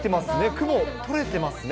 雲、取れてますね。